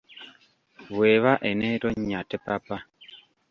"Bw'eba en'etonnya, tepapa."